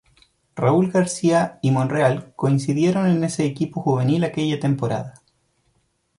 Raúl García y Monreal coincidieron en ese equipo juvenil aquella temporada.